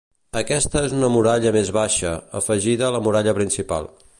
Aquesta és una muralla més baixa, afegida a la muralla principal.